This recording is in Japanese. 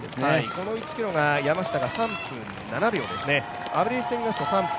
この１ｋｍが山下が３分７秒ですね。